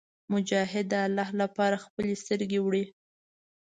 مجاهد د الله لپاره خپلې سترګې وړي.